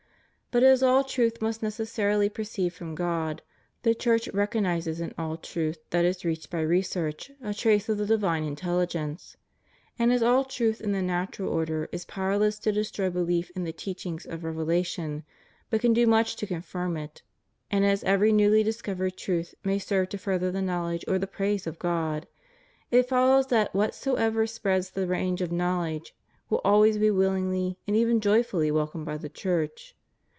But as all truth must necessarily proceed from God, the Church recognizes in all truth that is reached by research, a trace of the divine intelligence. And as all truth in the natural order is powerless to destroy belief in the teachings of revelation, but can do much to confirm it, and as every newly discovered truth may serve to further the knowledge or the praise of God, it follows that whatsoever spreads the range of knowledge will always be willingly and even joyfully welcomed by the Church.